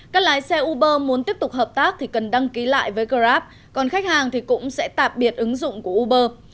các lái xe uber muốn tiếp tục hợp tác thì cần đăng ký lại với grab còn khách hàng thì cũng sẽ tạm biệt ứng dụng của uber